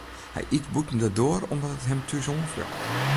Hy yt bûten de doar omdat it him thús oanfljocht.